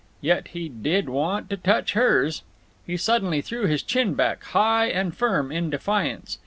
Yet he did want to touch hers. He suddenly threw his chin back, high and firm, in defiance.